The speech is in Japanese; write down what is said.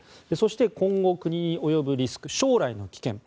そして、今後国に及ぶリスク将来の危険。